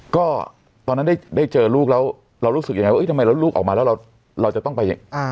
ก็ตอนนั้นได้เจอลูกแล้วเรารู้สึกยังไงว่าทำไมแล้วลูกออกมาแล้วเราจะต้องไป